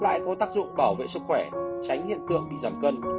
lại có tác dụng bảo vệ sức khỏe tránh hiện tượng bị giảm cân